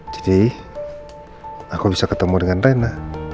jadi aku bisa ketemu dengan rena